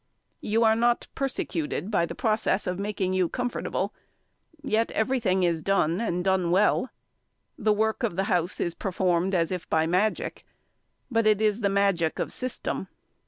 You are not persecuted by the process of making you comfortable; yet everything is done, and is done well. The work of the house is performed as if by magic, but it is the magic of system.